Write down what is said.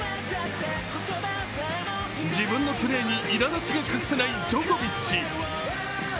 自分のプレーにいらだちを隠せないジョコビッチ。